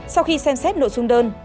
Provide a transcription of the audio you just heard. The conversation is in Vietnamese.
sau khi xem xét nội dung đơn